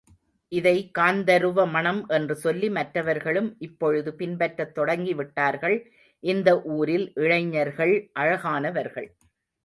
இதை காந்தருவ மணம் என்று சொல்லி மற்றவர்களும் இப்பொழுது பின்பற்றத் தொடங்கிவிட்டார்கள். இந்த ஊரில் இளைஞர்கள் அழகானவர்கள்.